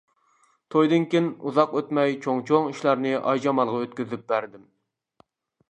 تويدىن كېيىن ئۇزاق ئۆتمەي چوڭ-چوڭ ئىشلارنى ئايجامالغا ئۆتكۈزۈپ بەردىم.